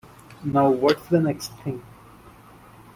Now, what’s the next thing?